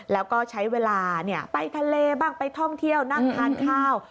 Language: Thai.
แล้วก็ใช้เวลาไปทะเลบ้างไปท่องเที่ยวนั่งทานข้าว